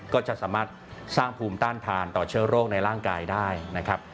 ก็จะสามารถสร้างภูมิต้านทานต่อเชื้อโรคในร่างกายได้นะครับ